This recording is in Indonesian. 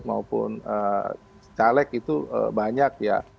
maupun caleg itu banyak ya